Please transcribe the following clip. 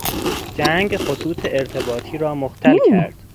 جنگ خطوط ارتباطی را مختل کرد.